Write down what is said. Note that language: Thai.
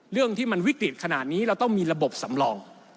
เรื่องที่มันวิกฤตขนาดนี้เราต้องมีระบบสำรอง